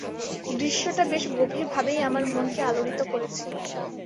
দৃশ্যটা বেশ গভীরভাবেই আমার মনকে আলোড়িত করেছিল।